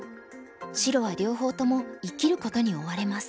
白は両方とも生きることに追われます。